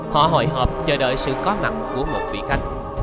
họ hồi hộp chờ đợi sự có mặt của một vị khách